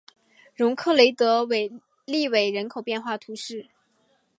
容克雷德利韦人口变化图示